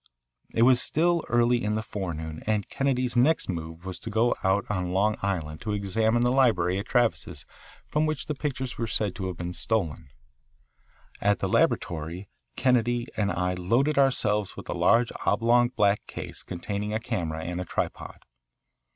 It was still early in the forenoon, and Kennedy's next move was to go out on Long Island to examine the library at Travis's from which the pictures were said to have been stolen. At the laboratory Kennedy and I loaded ourselves with a large oblong black case containing a camera and a tripod.